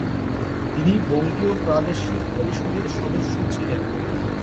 তিনি বঙ্গীয় প্রাদেশিক পরিষদের সদস্য ছিলেন।